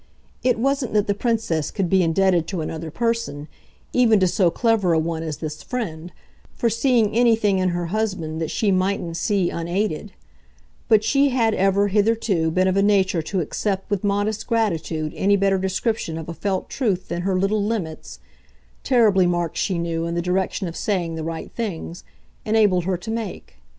It wasn't that the Princess could be indebted to another person, even to so clever a one as this friend, for seeing anything in her husband that she mightn't see unaided; but she had ever, hitherto, been of a nature to accept with modest gratitude any better description of a felt truth than her little limits terribly marked, she knew, in the direction of saying the right things enabled her to make.